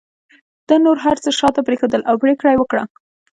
ده نور هر څه شاته پرېښودل او پرېکړه یې وکړه